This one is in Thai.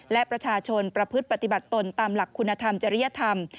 และประชาชนประพฤติปฏิบัติตนตามหลักคุณธรรมจริยธรรม